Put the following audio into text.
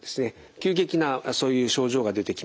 急激なそういう症状が出てきます。